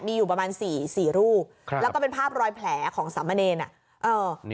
มีอยู่ประมาณสี่สี่รูปครับแล้วก็เป็นภาพรอยแผลของสามเณร